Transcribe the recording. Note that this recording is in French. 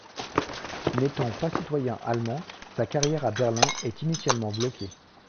N'étant pas citoyen allemand, sa carrière à Berlin est initialement bloquée.